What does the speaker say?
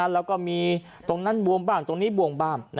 แล้วก็มีตรงนั้นบวมบ้างตรงนี้บวมบ้าง